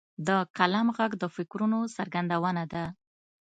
د قلم ږغ د فکرونو څرګندونه ده.